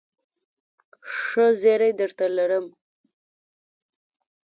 ښه زېری درته لرم ..